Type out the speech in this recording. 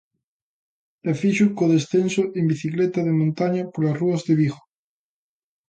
E fíxoo co descenso en bicicleta de montaña polas rúas de Vigo.